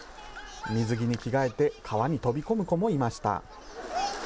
水着に着替えて川に飛び込む子もいました。